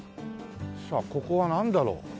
さあここはなんだろう？